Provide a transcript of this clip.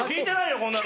こんなの。